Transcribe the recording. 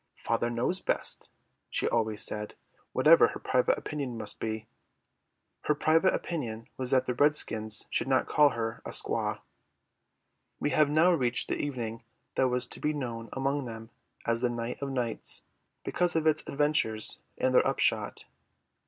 "Father knows best," she always said, whatever her private opinion must be. Her private opinion was that the redskins should not call her a squaw. We have now reached the evening that was to be known among them as the Night of Nights, because of its adventures and their upshot.